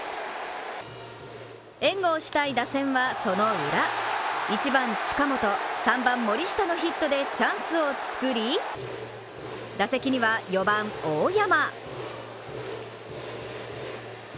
援護をしたい打線はそのウラ１番・近本、３番・森下のヒットでチャンスを作り、打席には４番・大山。